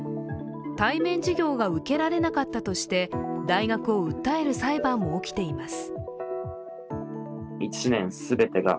対面授業が受けられなかったとして大学を訴える裁判も起きています。